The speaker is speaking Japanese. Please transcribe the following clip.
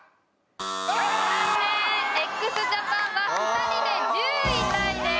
ＸＪＡＰＡＮは２人で１０位タイです。